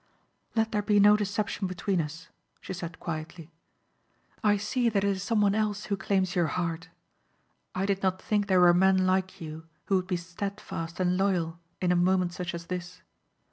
"Let there be no deception between us," she said quietly. "I see that it is someone else who claims your heart. I did not think there were men like you who would be steadfast and loyal in a moment such as this.